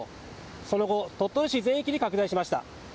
その後、鳥取市全域に拡大しました。